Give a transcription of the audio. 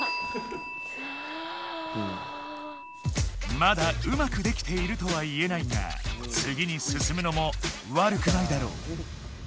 まだうまくできているとは言えないがつぎにすすむのもわるくないだろう！